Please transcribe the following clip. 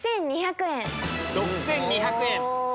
６２００円。